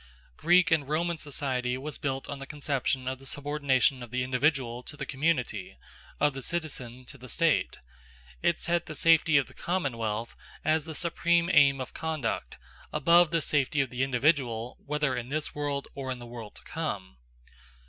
Greek and Roman society was built on the conception of the subordination of the individual to the community, of the citizen to the state; it set the safety of the commonwealth, as the supreme aim of conduct, above the safety of the individual whether in this world or in the world to come.